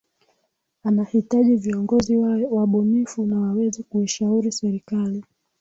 Anahitaji viongozi wawe wabunifu na waweze kuishauri Serikali